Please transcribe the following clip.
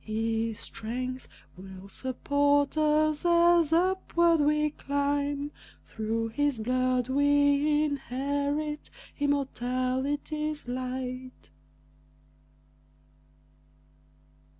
His strength will support us as upward we climb; Through his blood we inherit immortality's light.